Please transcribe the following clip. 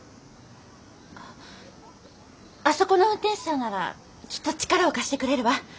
あっあそこの運転手さんならきっと力を貸してくれるわ。